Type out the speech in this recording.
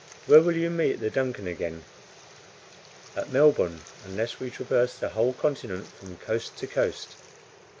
"Where will you meet the DUNCAN again?" "At Melbourne, unless we traverse the whole continent from coast to coast."